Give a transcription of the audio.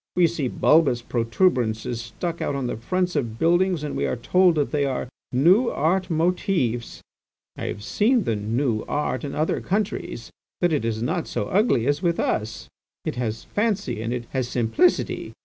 We see bulbous protuberances stuck on the fronts of buildings and we are told they are 'new art' motives. I have seen the 'new art' in other countries, but it is not so ugly as with us; it has fancy and it has simplicity.